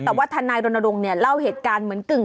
แต่ว่าทนายรณรงค์เนี่ยเล่าเหตุการณ์เหมือนกึ่ง